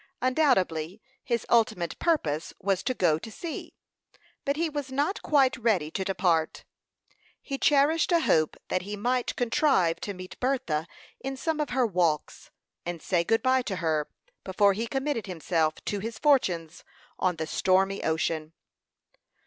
Undoubtedly his ultimate purpose was to go to sea; but he was not quite ready to depart. He cherished a hope that he might contrive to meet Bertha in some of her walks, and say good bye to her before he committed himself to his fortunes on the stormy ocean.